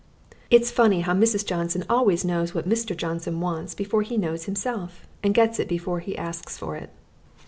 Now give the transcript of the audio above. It's funny how Mrs. Johnson always knows what Mr. Johnson wants before he knows himself and gets it before he asks for it!